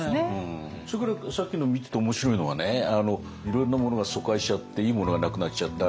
それからさっきの見てて面白いのはいろいろなものが疎開しちゃっていいものがなくなっちゃった。